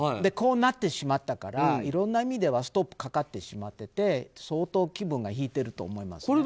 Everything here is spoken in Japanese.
こうなってしまったからいろんな意味でストップがかかってしまって相当気分が引いていると思います。